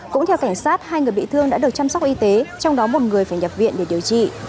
cũng theo cảnh sát hai người bị thương đã được chăm sóc y tế trong đó một người phải nhập viện để điều trị